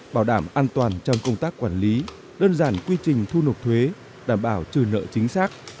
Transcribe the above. bảo đảm an toàn trong công tác quản lý đơn giản quy trình thu nộp thuế đảm bảo trừ nợ chính xác